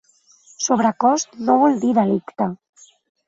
Sobrecost no vol dir delicte.